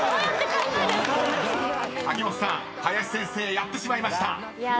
［秋元さん林先生やってしまいました］